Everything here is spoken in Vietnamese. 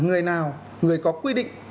người nào người có quy định